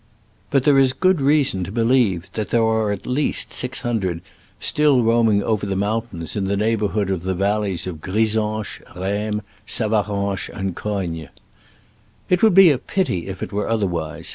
But there is good reason to be lieve that there are at least six hundred 126 still roaming over the mountains in the neighborhood of the valleys of Gri sanche, Rhemes, Savaranche and Cogne. It would be a pity if it were otherwise.